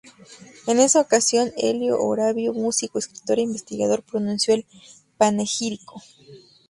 En esa ocasión, Helio Orovio, músico, escritor e investigador, pronunció el panegírico.